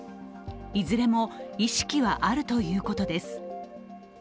いずれも意識はあるということです。